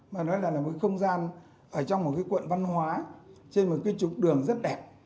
mà nói là một không gian ở trong một cái quận văn hóa trên một cái trục đường rất đẹp